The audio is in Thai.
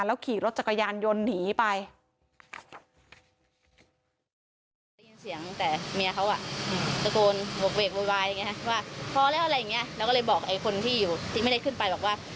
ขี่รถจักรยานยนต์หนีไป